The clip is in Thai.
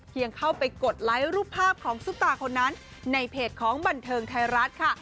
เข้าไปกดไลค์รูปภาพของซุปตาคนนั้นในเพจของบันเทิงไทยรัฐค่ะ